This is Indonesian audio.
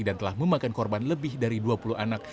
dan telah memakan korban lebih dari dua puluh anak